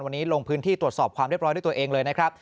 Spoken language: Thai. วันนี้ลงพื้นที่ตรวจสอบความเรียบร้อยด้วยตัวเองเลยนะครับ